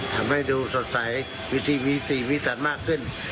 ทำให้ดูสดใสวิสีวีสีวิสันมากขึ้น